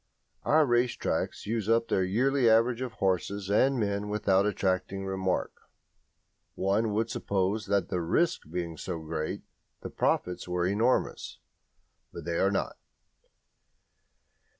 Our race tracks use up their yearly average of horses and men without attracting remark. One would suppose that the risk being so great the profits were enormous; but they are not.